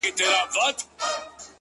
• په يوه گړي كي جوړه هنگامه سوه,